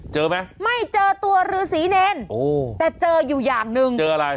เจอไหมไม่เจอตัวฤษีเนรโอ้แต่เจออยู่อย่างหนึ่งเจออะไร